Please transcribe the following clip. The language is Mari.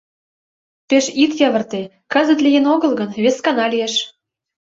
Пеш ит йывырте: кызыт лийын огыл гыл, вескана лиеш.